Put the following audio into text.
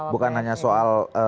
bukan hanya soal